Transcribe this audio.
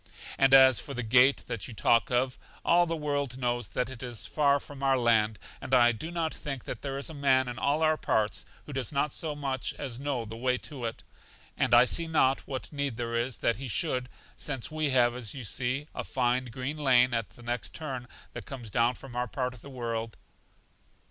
And as for the gate that you talk of, all the world knows that it is far from our land, and I do not think that there is a man in all our parts who does so much as know the way to it, and I see not what need there is that he should, since we have, as you see, a fine green lane at the next turn that comes down from our part of the world.